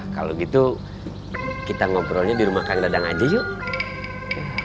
kalau gitu kita ngobrolnya di rumah kang dadang aja yuk